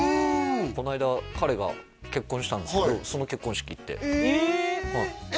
この間彼が結婚したんですけどその結婚式行ってええ！